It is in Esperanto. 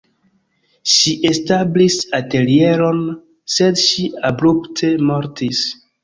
Ŝi establis atelieron, sed ŝi abrupte mortis.